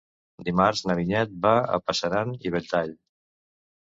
Dimarts na Vinyet va a Passanant i Belltall.